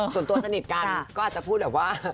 ส่วนตัวสนิทกันก็อาจจะพูดแบบว่า